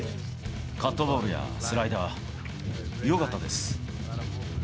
カットボールやスライダー、よかったです。